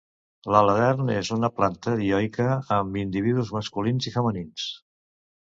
L'aladern és una planta dioica, amb individus masculins i femenins.